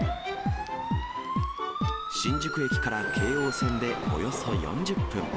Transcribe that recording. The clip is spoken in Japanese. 新宿駅から京王線でおよそ４０分。